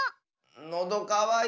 のどかわいた。